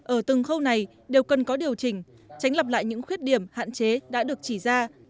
ở từng khâu này đều cần có điều chỉnh tránh lập lại những khuyết điểm hạn chế đã được chỉ ra